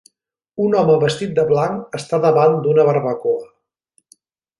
un home vestit de blanc està davant d'una barbacoa.